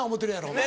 お前。